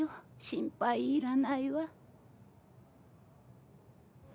心配いらないわ。